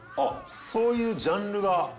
そういうジャンルがあるんだ。